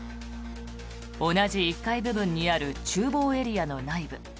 同じ１階部分にある厨房エリアの内部。